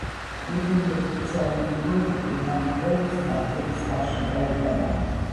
პირველი ოფიციალური გოლი კი მან პერუს ნაკრების კარში გაიტანა.